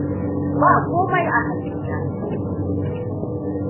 Ba komai a hannuna.